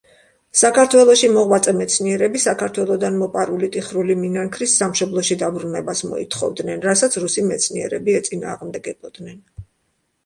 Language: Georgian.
საქართველოში მოღვაწე მეცნიერები საქართველოდან მოპარული ტიხრული მინანქრის სამშობლოში დაბრუნებას მოითხოვდნენ, რასაც რუსი მეცნიერები ეწინააღმდეგებოდნენ.